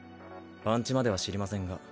番地までは知りませんが。